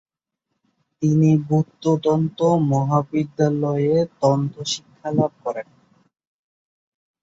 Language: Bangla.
তিনি গ্যুতো তন্ত্র মহাবিদ্যালয়ে তন্ত্র শিক্ষালাভ করেন।